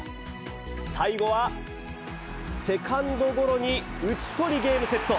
最後はセカンドゴロに打ち取り、ゲームセット。